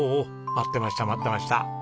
待ってました待ってました。